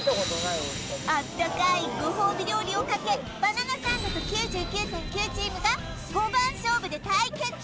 あったかいご褒美料理をかけバナナサンドと９９．９チームが５番勝負で対決！